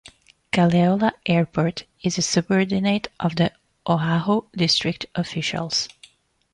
Kalaeloa Airport is a subordinate of the Oahu District officials.